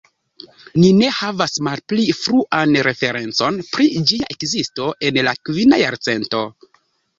Ni ne havas malpli fruan referencon pri ĝia ekzisto en la kvina jarcento.